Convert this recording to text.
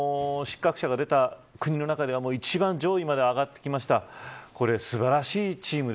この失格者が出た国の中では一番上位まで上がってきました。